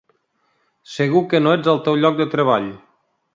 Segur que no ets al teu lloc de treball.